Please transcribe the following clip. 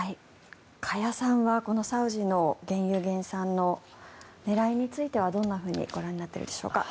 加谷さんはこのサウジの原油減産の狙いについてはどうご覧になっているでしょう？